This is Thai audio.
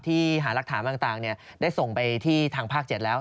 ที่หารักฐานต่างได้ส่งไปที่ทางภาค๗แล้ว